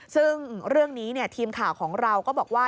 ซึ่งเรื่องนี้ทีมข่าวของเราก็บอกว่า